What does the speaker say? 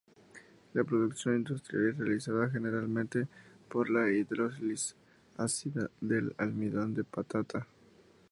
La producción industrial es realizada generalmente por la hidrólisis ácida del almidón de patata.